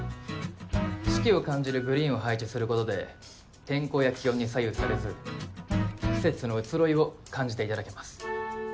四季を感じるグリーンを配置することで天候や気温に左右されず季節の移ろいを感じていただけます。